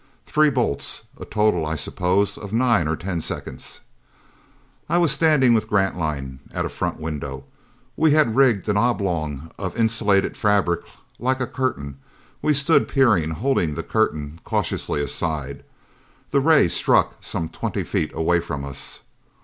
Three bolts. A total, I suppose, of nine or ten seconds. I was standing with Grantline at a front window. We had rigged an oblong of insulated fabric like a curtain; we stood peering, holding the curtain cautiously aside. The ray struck some twenty feet away from us.